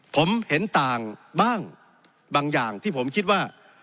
ผมเห็นต่างบ้างบางอย่างที่ผมคิดว่า